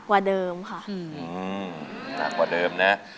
แก้มขอมาสู้เพื่อกล่องเสียงให้กับคุณพ่อใหม่นะครับ